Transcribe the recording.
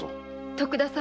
徳田様！